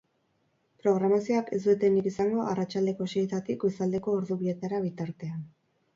Programazioak ez du etenik izango arratsaldeko seietatik goizaldeko ordu bietara bitartean.